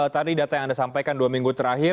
tadi data yang anda sampaikan dua minggu terakhir